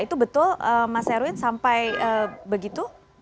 itu betul mas erwin sampai begitu